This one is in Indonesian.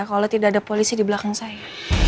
kalau tidak ada polisi di belakang saya